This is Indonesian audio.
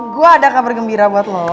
gue ada kabar gembira buat lo